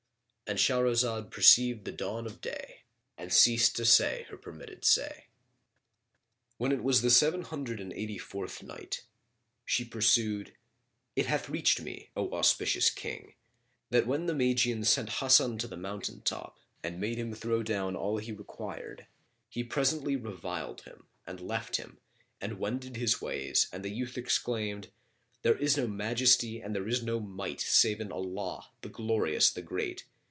[FN#34]" —And Shahrazad perceived the dawn of day and ceased to say her permitted say. When it was the Seven Hundred and Eighty fourth Night, She pursued, It hath reached me, O auspicious King, that when the Magian sent Hasan to the mountain top and made him throw down all he required he presently reviled him and left him and wended his ways and the youth exclaimed, "There is no Majesty and there is no Might save in Allah, the Glorious, the Great!